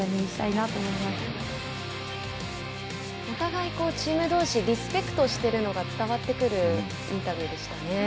お互いチームどうしリスペクトしているのが伝わってくるインタビューでしたね。